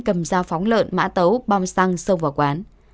cầm dao phóng lợn mã tấu bom xăng xông vào quán